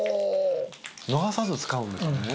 逃さず使うんですね。